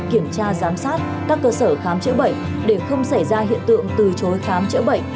kiểm tra giám sát các cơ sở khám chữa bệnh để không xảy ra hiện tượng từ chối khám chữa bệnh